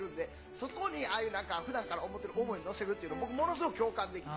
そこにああいう、なんか、ふだんから思ってる思い乗せるっていうの、僕、ものすごく共感できて。